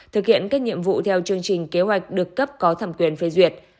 thực hiện các nhiệm vụ theo chương trình kế hoạch được cấp có thẩm quyền phê duyệt